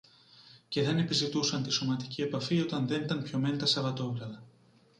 και δεν επιζητούσαν τη σωματική επαφή όταν δεν ήταν πιωμένοι τα Σαββατόβραδα